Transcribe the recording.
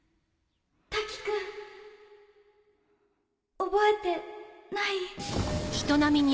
瀧くん！覚えてない？あっ。